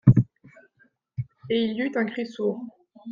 Et il y eut un cri sourd.